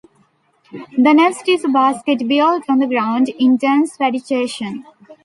The nest is a basket built on the ground in dense vegetation.